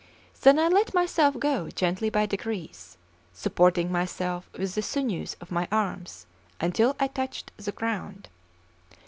Then I let myself go gently by degrees, supporting myself with the sinews of my arms, until I touched the ground.